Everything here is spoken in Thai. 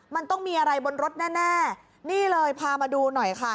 มันต้องมีอะไรบนรถแน่นี่เลยพามาดูหน่อยค่ะ